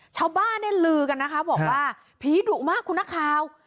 ชาวบ้านเนี่ยลือกันนะคะบอกว่าผีดุมากคุณนักข่าว